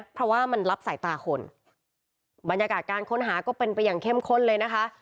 เพราะว่ามันรับสายตาคนบรรยากาศการค้นหาก็เป็นไปอย่างเข้มข้นเลยนะคะ